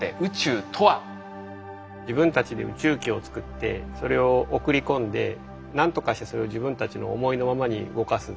自分たちで宇宙機を作ってそれを送り込んでなんとかしてそれを自分たちの思いのままに動かす。